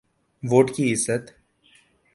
Vote کی عزت۔